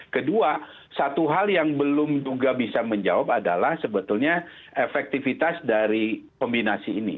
kedua satu hal yang belum juga bisa menjawab adalah sebetulnya efektivitas dari kombinasi ini